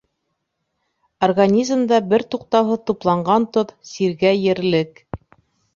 Организмда бер туҡтауһыҙ тупланған тоҙ — сиргә ерлек.